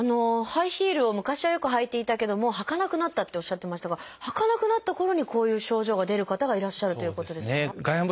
ハイヒールを昔はよく履いていたけども履かなくなったっておっしゃってましたが履かなくなったころにこういう症状が出る方がいらっしゃるということですか？